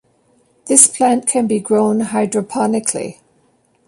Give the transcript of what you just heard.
This plant can be grown hydroponically.